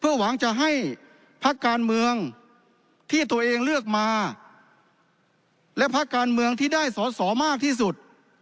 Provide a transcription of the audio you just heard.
หวังจะให้พักการเมืองที่ตัวเองเลือกมาและพักการเมืองที่ได้สอสอมากที่สุด